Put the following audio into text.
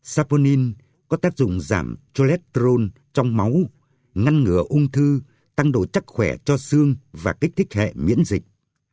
saponin có tác dụng giảm cholesterol trong máu ngăn ngừa ung thư tăng độ chắc khỏe cho xương và kích thích hệ miễn dịch